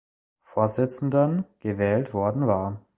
Vorsitzenden gewählt worden war.